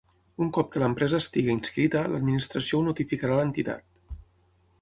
Un cop que l'empresa estigui inscrita, l'Administració ho notificarà a l'entitat.